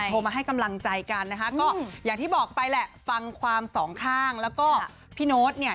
โทรมาให้กำลังใจกันนะคะก็อย่างที่บอกไปแหละฟังความสองข้างแล้วก็พี่โน๊ตเนี่ย